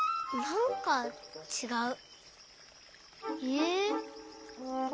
なんかちがう。